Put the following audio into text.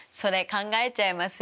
考えちゃいます。